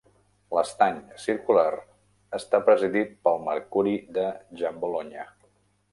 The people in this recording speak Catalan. L'estany circular està presidit pel "Mercuri" de Giambologna.